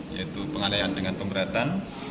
yaitu penganiayaan dengan pemberatan